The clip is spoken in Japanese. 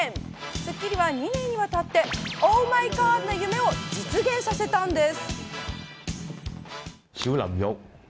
『スッキリ』は２年にわたってＯｈＭｙＧｏｄな夢を実現させたんです。